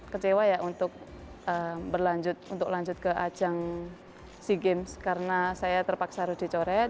kecewa ya untuk berlanjut untuk lanjut ke ajang sea games karena saya terpaksa harus dicoret